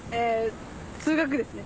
数学ですね。